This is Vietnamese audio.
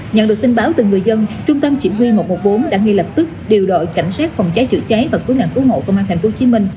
nhận được tin báo từ người dân trung tâm chỉ huy một trăm một mươi bốn đã ngay lập tức điều đội cảnh sát phòng cháy chữa cháy và cứu nạn cứu hộ công an tp hcm